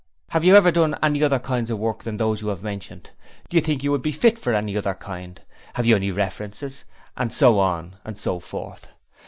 'Have you ever done any other kinds of work than those you have mentioned? Do you think you would be fit for any other kind? 'Have you any references?' and so on and so forth.